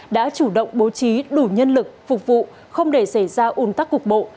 đã chủ động bố trí đủ nhân lực phục vụ không để xảy ra un tắc cục bộ